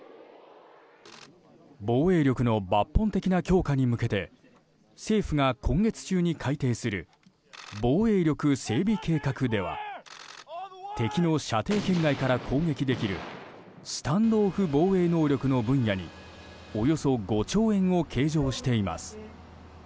防衛力の抜本的な強化に向けて政府が今月中に改定する防衛力整備計画では敵の射程圏外から攻撃できるスタンドオフ防衛能力の分野におよそ５兆円を計上しています。